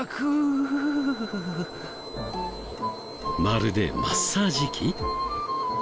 まるでマッサージ機！？